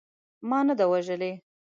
ما نه ده وژلې.